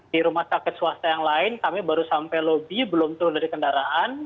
di rumah sakit swasta yang lain kami baru sampai lobi belum turun dari kendaraan